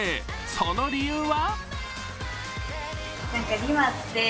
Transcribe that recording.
その理由は？